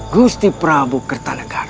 gusti prabu kertanegara